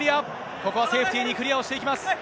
ここはセーフティーにクリアしていきます。